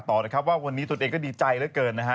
ตอนนี้ตูนเองก็ดีใจหลังเกินนะฮะ